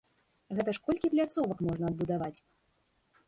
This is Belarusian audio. Гэта ж колькі пляцовак можна адбудаваць!